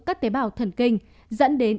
các tế bào thần kinh dẫn đến